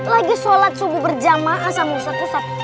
lagi sholat subuh berjamaah sama ustadz ustadz